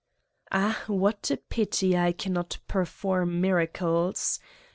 ' Ah, what a pity I cannot perform miracles